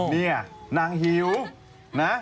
นี่นางหิวนะ